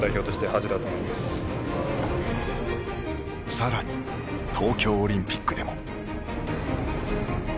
更に東京オリンピックでも。